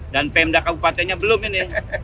dan pemda kabupatennya belum ini